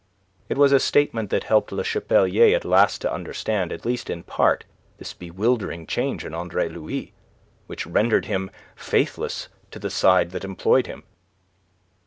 It was a statement that helped Le Chapelier at last to understand, at least in part, this bewildering change in Andre Louis, which rendered him faithless to the side that employed him.